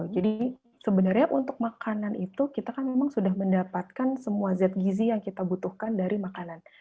jadi sebenarnya untuk makanan itu kita kan memang sudah mendapatkan semua zgz yang kita butuhkan dari makanan